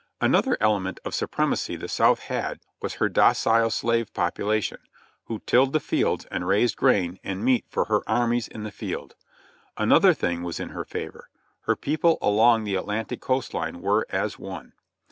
Another element of supremacy the South had was her docile slave population, who tilled the fields and raised grain and meat for her armies in the field. Another thing was in her favor : her people along the Atlantic coast line w^ere as one.